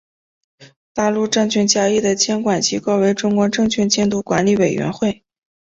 大陆证券交易的监管机构为中国证券监督管理委员会。